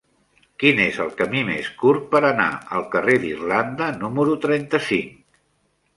Quin és el camí més curt per anar al carrer d'Irlanda número trenta-cinc?